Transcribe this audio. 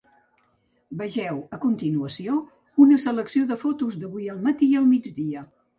Vegeu, a continuació, una selecció de fotos d’avui al matí i al migdia.